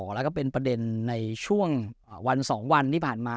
แล้วก็เป็นประเด็นในช่วงวัน๒วันที่ผ่านมา